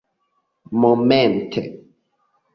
momente